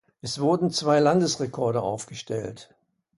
Es wurden zwei Landesrekorde aufgestellt.